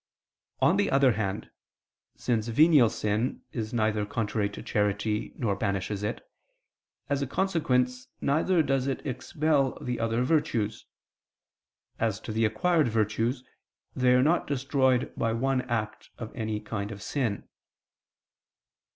On the other hand, since venial sin is neither contrary to charity, nor banishes it, as a consequence, neither does it expel the other virtues. As to the acquired virtues, they are not destroyed by one act of any kind of sin.